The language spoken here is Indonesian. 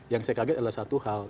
yang saya kaget adalah satu hal